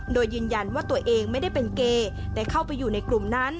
โดยยืนยันว่าตัวเองไม่ได้เป็นเกย์ได้เข้าไปอยู่ในกลุ่มนั้น